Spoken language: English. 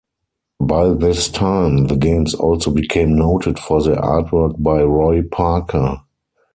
By this time, the games also became noted for their artwork by Roy Parker.